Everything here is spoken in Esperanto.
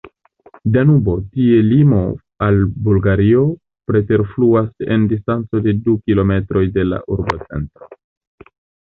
Danubo, tie limo al Bulgario, preterfluas en distanco de du kilometroj de la urbocentro.